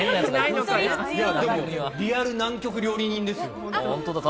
リアル南極料理人ですよ。